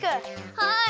はい！